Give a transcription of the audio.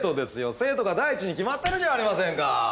生徒が第一に決まってるじゃありませんか。